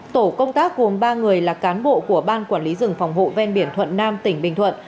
tổ công tác gồm ba người là cán bộ của ban quản lý rừng phòng hộ ven biển thuận nam tỉnh bình thuận